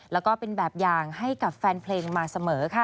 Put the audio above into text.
แล้วก็เป็นแบบอย่างให้กับแฟนเพลงมาเสมอค่ะ